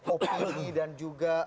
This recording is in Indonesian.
ope dan juga